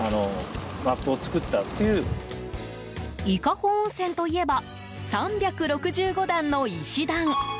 伊香保温泉といえば３６５段の石段。